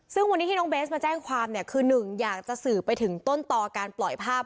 ซึ่งวันนี้ที่น้องเบสมาแจ้งความเนี่ยคือหนึ่งอยากจะสื่อไปถึงต้นต่อการปล่อยภาพ